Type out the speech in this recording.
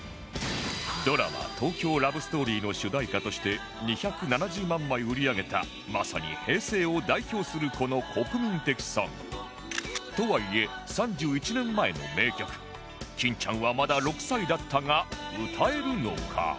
ドラマ『東京ラブストーリー』の主題歌として２７０万枚売り上げたまさに平成を代表するこの国民的ソングとはいえ３１年前の名曲金ちゃんはまだ６歳だったが歌えるのか？